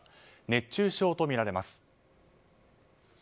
熱中症とみられます。